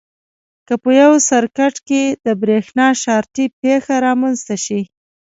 که په یو سرکټ کې د برېښنا شارټي پېښه رامنځته شي.